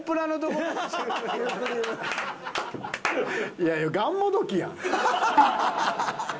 いやいやがんもどきやん。